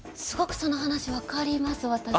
すごくその話分かります私。